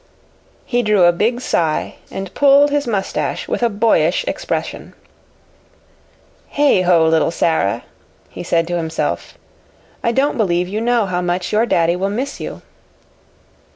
He drew a big sigh and pulled his mustache with a boyish expression. "Heigh ho, little Sara!" he said to himself "I don't believe you know how much your daddy will miss you."